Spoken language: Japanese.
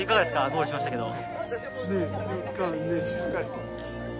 ゴールしましたけど。